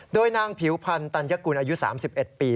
โดยนางผิวพันธ์ตัญกุลอายุ๓๑ปี